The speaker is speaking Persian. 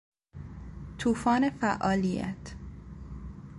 توفان فعالیت